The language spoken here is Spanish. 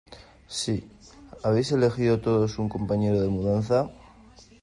Sí. ¿ Habéis elegido todos un compañero de mudanza?